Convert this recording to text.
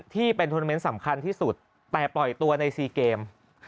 ที่เป็นทวนาเมนต์สำคัญที่สุดแต่ปล่อยตัวใน๔เกม